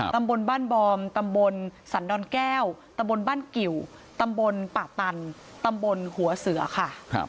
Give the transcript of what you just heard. ตำบลบ้านบอมตำบลสันดอนแก้วตำบลบ้านกิวตำบลป่าตันตำบลหัวเสือค่ะ